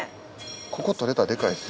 ここ取れたらデカいですよ。